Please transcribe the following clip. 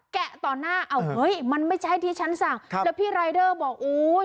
ะต่อหน้าเอาเฮ้ยมันไม่ใช่ที่ฉันสั่งครับแล้วพี่รายเดอร์บอกโอ้ย